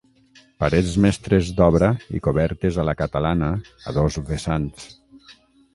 Parets mestres d'obra i cobertes a la catalana a dos vessants.